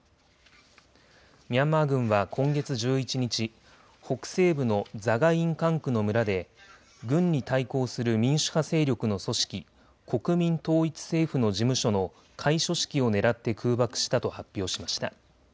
ミャンマー軍は今月１１日、北西部のザガイン管区の村で軍に対抗する民主派勢力の組織、国民統一政府の事務所の開所式を狙って空爆したと発表しました。